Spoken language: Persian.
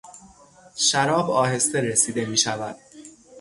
شراب آهسته رسیده میشود.